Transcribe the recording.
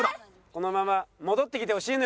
このまま戻ってきてほしいのよ